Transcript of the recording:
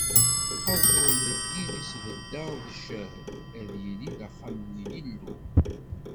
Aẓru-agi i sbeddeɣ d ccahed, ad yili d axxam n Yillu.